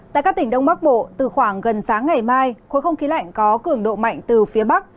tại các tỉnh đông bắc bộ từ khoảng gần sáng ngày mai khối không khí lạnh có cường độ mạnh từ phía bắc